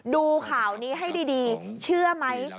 ดูข่าวนี้ให้ดีเชื่อไหม